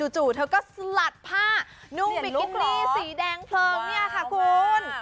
จู่เธอก็สลัดผ้านุ่งบิกินี่สีแดงเพลิงเนี่ยค่ะคุณ